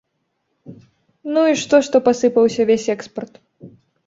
Ну і што, што пасыпаўся ўвесь экспарт?